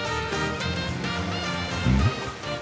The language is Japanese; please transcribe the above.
うん？